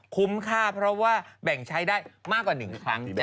คุ้มค่าเพราะว่าแบ่งใช้ได้มากกว่า๑ครั้ง